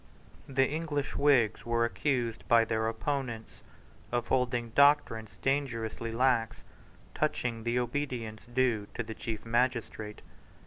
The English Whigs were accused by their opponents of holding doctrines dangerously lax touching the obedience due to the chief magistrate.